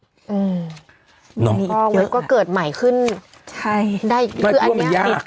อืมน้องกเพราะเกิดใหม่ขึ้นใช่ด้ายอันนี้